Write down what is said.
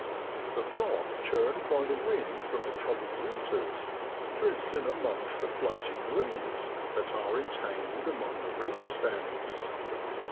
The froth, churned by the wind from the troubled waters, drifts in amongst the floating leaves that are entangled among the reedstems.